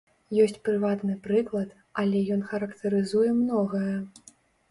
Ёсць прыватны прыклад, але ён характарызуе многае.